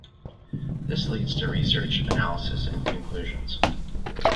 This leads to research, analysis and conclusions.